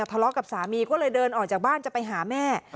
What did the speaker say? ทะเลาะกับสามีก็เลยเดินออกจากบ้านจะไปหาแม่